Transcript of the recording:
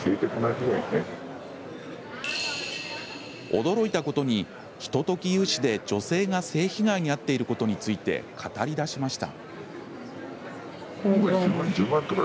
驚いたことに、ひととき融資で女性が性被害に遭っていることについて語りだしました。